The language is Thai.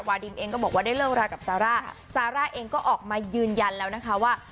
ดิมเองก็บอกว่าได้เลิกรากับซาร่าซาร่าเองก็ออกมายืนยันแล้วนะคะว่า